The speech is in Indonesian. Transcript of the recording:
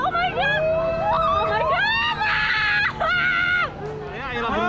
akhirnya berhenti lagi ya allah